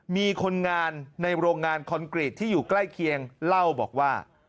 มีคนงานในโรงงานคอนกรีตที่อยู่ใกล้เคียงเล่าบอกว่า